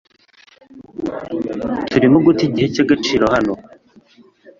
Turimo guta igihe cyagaciro hano .